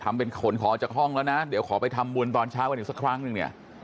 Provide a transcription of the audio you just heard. เป็นขนของออกจากห้องแล้วนะเดี๋ยวขอไปทำบุญตอนเช้ากันอีกสักครั้งหนึ่งเนี่ย